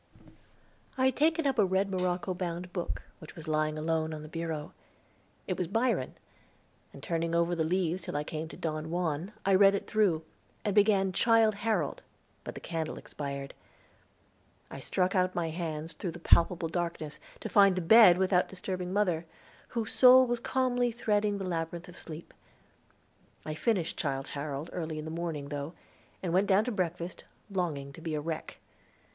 I had taken up a red morocco bound book, which was lying alone on the bureau. It was Byron, and turning over the leaves till I came to Don Juan, I read it through, and began Childe Harold, but the candle expired. I struck out my hands through the palpable darkness, to find the bed without disturbing mother, whose soul was calmly threading the labyrinth of sleep. I finished Childe Harold early in the morning, though, and went down to breakfast, longing to be a wreck!